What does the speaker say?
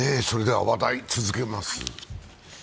それでは話題、続けます。